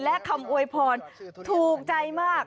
และคำอวยพรถูกใจมาก